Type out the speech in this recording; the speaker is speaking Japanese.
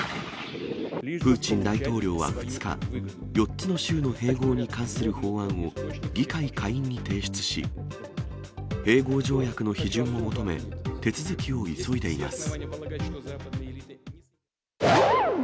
プーチン大統領は２日、４つの州の併合に関する法案を議会下院に提出し、併合条約の批准を求め、手続きを急いでいます。